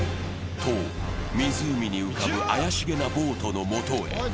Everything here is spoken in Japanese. と、湖に浮かぶ怪しげなボートのもとへ。